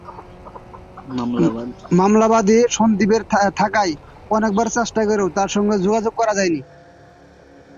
মামলার বাদী সন্দ্বীপে থাকায় অনেকবার চেষ্টা করেও তাঁর সঙ্গে যোগাযোগ করা যায়নি।